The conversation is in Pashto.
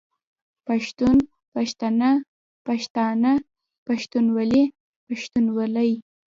پښتون، پښتنه، پښتانه، پښتونولي، پښتونولۍ